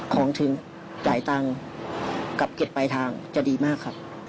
ของถึงจ่ายตังค์กับเก็บปลายทางจะดีมากครับ